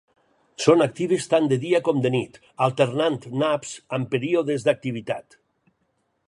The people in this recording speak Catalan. Són actives tant de dia com de nit, alternant naps amb períodes d'activitat.